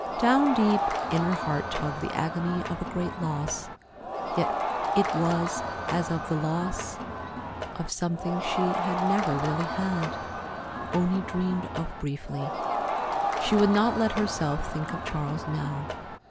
Down deep in her heart tugged the agony of a great loss, yet it was as of the loss of something she had never really had—only dreamed of briefly. She would not let herself think of Charles now.